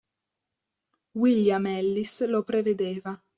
William Ellis lo prevedeva.